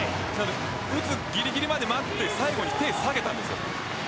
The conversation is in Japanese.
打つぎりぎりまで待って最後、手を下げたんです。